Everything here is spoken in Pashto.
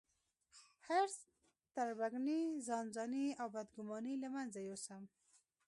حرص، تربګني، ځانځاني او بدګوماني له منځه يوسم.